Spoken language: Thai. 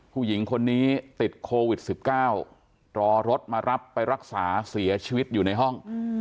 ผู้หญิงคนนี้ติดโควิด๑๙รอรถมารับไปรักษาเสียชีวิตอยู่ในห้อง